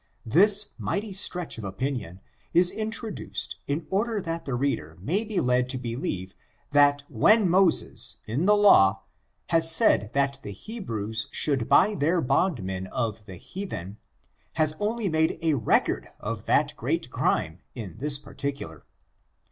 This mighty stretch of opinion is introduced in order that | the reader may be led to believe that when Moses, in the law, has said that the Hebrews should buy their bond men of the heathen, has only made a re cord of that great crime in this particular.